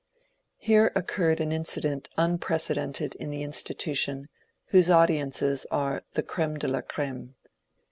Here occurred an incident unprecedented in the Institu tion, whose audiences are the creme de la creme.